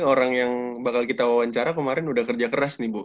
orang yang bakal kita wawancara kemarin udah kerja keras nih bu